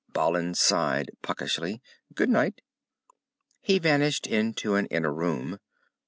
Balin sighed puckishly. "Good night." He vanished into an inner room.